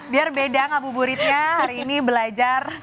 biar beda ngabuburitnya hari ini belajar